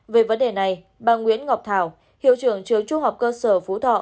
về vấn đề này bà nguyễn ngọc thảo hiệu trưởng trường trung học cơ sở phú thọ